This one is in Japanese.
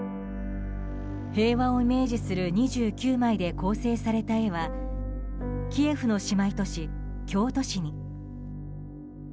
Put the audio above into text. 平和をイメージする２９枚で構成された絵はキエフの姉妹都市・京都市に。